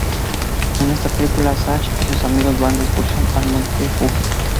En esta película, Zatch y sus amigos van de excursión al Monte Fuji.